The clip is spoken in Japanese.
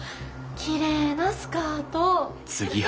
きれいなスカート。